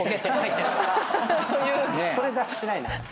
それだらしないな。